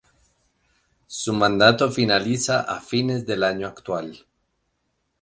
Su mandato finaliza a fines del año actual.